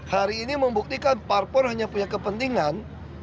hari ini membuktikan parpol hanya punya kepentingan